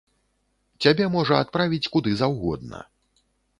Цябе можа адправіць куды заўгодна.